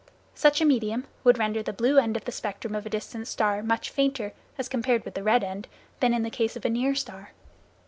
Such a medium would render the blue end of the spectrum of a distant star much fainter, as compared with the red end, than in the case of a near star.